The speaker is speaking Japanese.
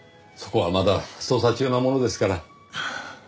そこはまだ捜査中なものですから。